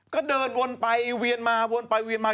ก็เดินวนไปเวียนมาวนไปเวียนมา